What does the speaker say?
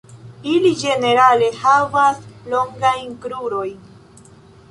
Ili ĝenerale havas longajn krurojn.